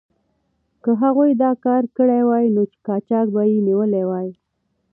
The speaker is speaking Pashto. که هغوی دا کار کړی وای، نو قاچاق به یې نیولی وای.